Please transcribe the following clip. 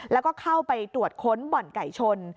แล้วก็เข้าไปตรวจค้นบ่อนไก่ชน